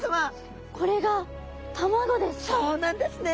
これがそうなんですね